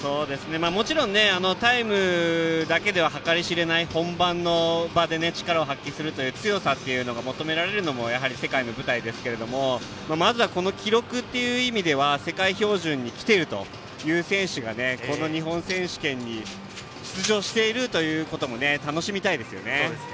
もちろん、タイムだけでは計り知れない本番の場で力を発揮する強さが求められるのも世界の舞台ですがまず記録という意味では世界標準に来ているという選手が、この日本選手権に出場しているということも楽しみたいですよね。